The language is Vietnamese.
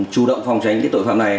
chủ động phòng tránh tội phạm này